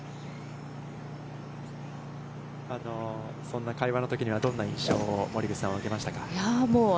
そんな会話のときには、どんな印象を森口さんは受けましたか。